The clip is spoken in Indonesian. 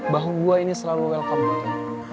bahu gue ini selalu welcome